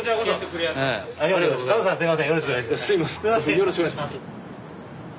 よろしくお願いします。